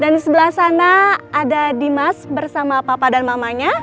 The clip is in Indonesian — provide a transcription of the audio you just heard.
dan di sebelah sana ada dimas bersama papa dan mamanya